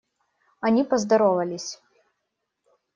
Они поздоровались.